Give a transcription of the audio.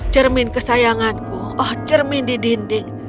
cermin kesayanganku oh cermin di dinding